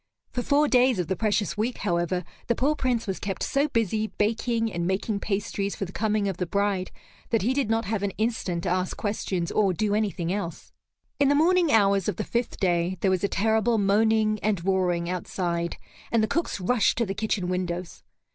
For four days of the precious week, however, the poor Prince was kept so busy baking and making pastries for the coming of the bride that he did not have an instant to ask questions or do anything else. In the morning hours of the fifth day there was a terrible moaning and roaring outside, and the cooks rushed to the kitchen windows.